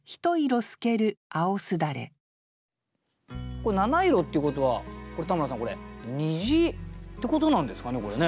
これ「七色」っていうことは田村さんこれ虹ってことなんですかねこれね。